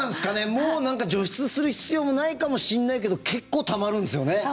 もうなんか除湿する必要もないかもしんないけど結構たまるんですよね。